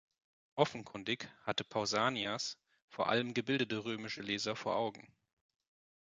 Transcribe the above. Offenkundig hatte Pausanias vor allem gebildete römische Leser vor Augen.